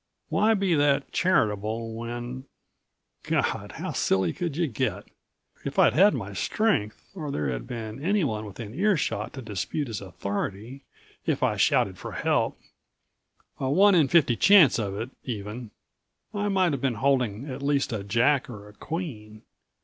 Why be that charitable when ... God, how silly could you get? If I'd had my strength or there had been anyone within earshot to dispute his authority if I shouted for help a one in fifty chance of it, even I might have been holding at least a Jack or a Queen.